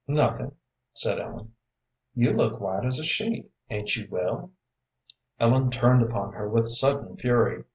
"Nothing," said Ellen. "You look white as a sheet; ain't you well?" Ellen turned upon her with sudden fury.